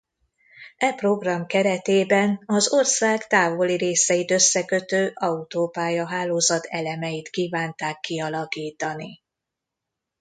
E program keretében az ország távoli részeit összekötő autópálya-hálózat elemeit kívánták kialakítani.